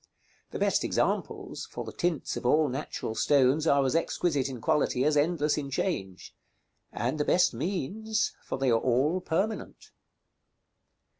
The best examples, for the tints of all natural stones are as exquisite in quality as endless in change; and the best means, for they are all permanent.